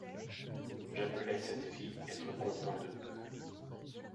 J’appelais cette vie être content de peu!